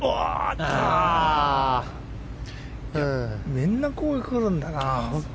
みんな、こうくるんだな。